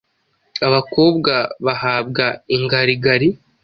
abakobwa bahabwa ingarigari,